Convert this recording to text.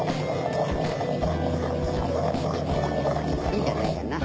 いいんじゃないかな。